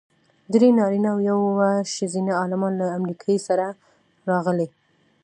درې نارینه او یوه ښځینه عالمان له امریکې راسره راغلي.